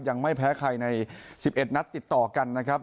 ยังไม่แพ้ใครใน๑๑นัดติดต่อกันนะครับ